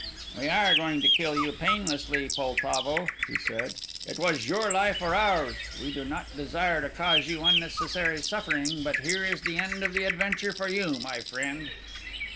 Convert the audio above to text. "We are going to kill you painlessly, Poltavo," he said. "It was your life or ours. We do not desire to cause you unnecessary suffering, but here is the end of the adventure for you, my friend."